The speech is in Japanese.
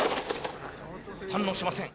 反応しません。